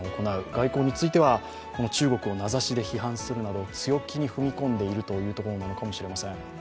外交については中国を名指しで批判するなど強気に踏み込んでいるというところなのかもしれません。